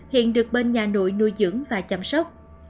hiện được bên nhà nội nuôi dưỡng và chăm sóc